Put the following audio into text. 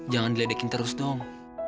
jangan diledekin terus dong